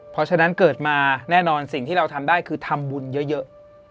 เพราะฉะนั้นเกิดมาแน่นอนสิ่งที่เราทำได้คือทำบุญเยอะ